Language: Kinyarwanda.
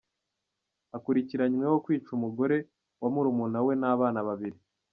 Akurikiranyweho kwica umugore wa murumuna we n’abana babiri